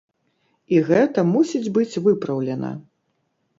І гэта мусіць быць выпраўлена.